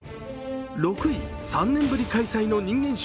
６位、３年ぶり開催の人間